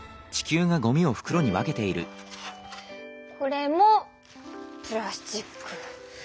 これもプラスチック。